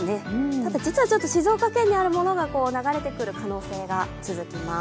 ただ、実はちょっと静岡県にあるものが流れてくる可能性が続きます。